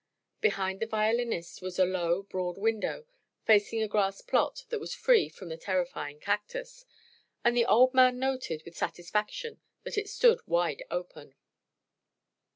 Behind the violinist was a low, broad window facing a grass plot that was free from the terrifying cactus, and the old man noted with satisfaction that it stood wide open.